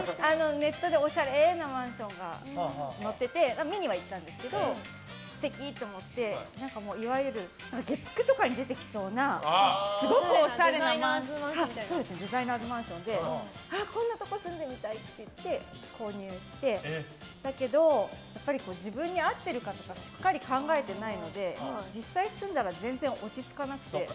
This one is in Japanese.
ネットでおしゃれなマンションが載ってて見には行ったんですけど素敵と思っていわゆる月９とかに出てきそうなすごくおしゃれなデザイナーズマンションでこんなところ住んでみたいって言って購入してだけど、自分に合ってるかとかしっかり考えてないので実際住んだら全然落ち着かなくて。